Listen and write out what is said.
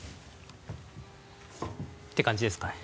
て感じですかね。